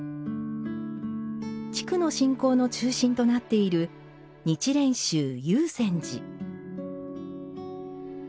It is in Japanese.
地区の信仰の中心となっている日蓮宗「涌泉寺」。